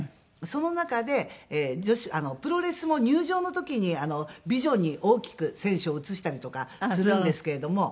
その中でプロレスも入場の時にビジョンに大きく選手を映したりとかするんですけれども。